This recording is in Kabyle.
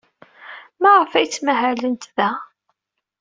Maɣef ay ttmahalent da?